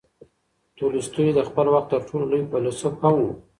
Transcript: تولستوی د خپل وخت تر ټولو لوی فیلسوف هم و.